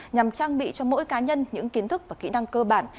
nhằm trang bị cho mỗi cá nhân những kiến thức và kỹ năng cơ bản